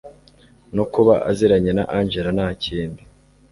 no kuba aziranye na angella ntakindi